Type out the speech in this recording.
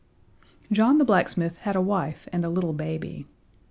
John the blacksmith had a wife and a little baby.